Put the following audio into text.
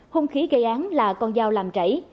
hung khí gây án là con dao làm chảy